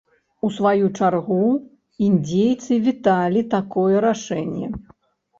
У сваю чаргу, індзейцы віталі такое рашэнне.